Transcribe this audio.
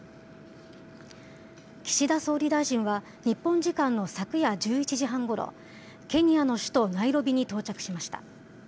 岸田総理大臣は日本時間の昨夜１１時半ごろ、ケニアの首都ナイロビに到着しました。